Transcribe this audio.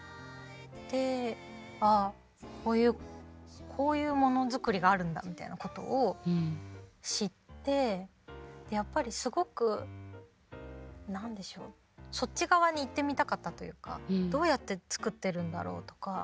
ああこういうものづくりがあるんだみたいなことを知ってやっぱりすごく何でしょうそっち側に行ってみたかったというかどうやって作ってるんだろうとか。